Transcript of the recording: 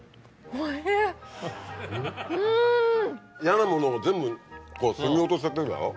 嫌なものを全部こうそぎ落としちゃってるだろ。